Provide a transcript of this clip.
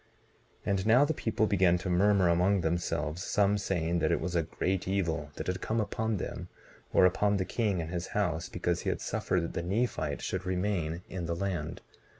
19:19 And now the people began to murmur among themselves; some saying that it was a great evil that had come upon them, or upon the king and his house, because he had suffered that the Nephite should remain in the land.